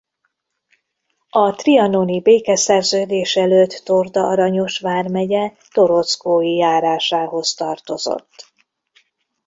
A trianoni békeszerződés előtt Torda-Aranyos vármegye Torockói járásához tartozott.